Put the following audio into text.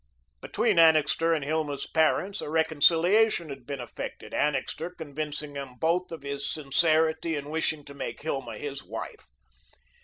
Between Annixter and Hilma's parents, a reconciliation had been effected, Annixter convincing them both of his sincerity in wishing to make Hilma his wife.